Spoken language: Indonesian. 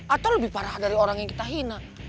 atau lebih parah dari orang yang kita hina